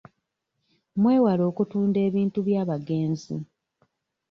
Mwewale okutunda ebintu by'abagenzi.